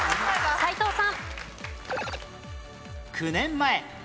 斎藤さん。